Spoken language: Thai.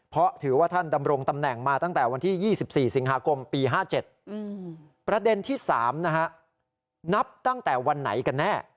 เพราะถือว่าท่านดำรงตำแหน่งมาตั้งแต่วันที่๒๔สิงหาคมปี๕๗ประเด็นที่๓นะฮะนับตั้งแต่วันไหนกันแน่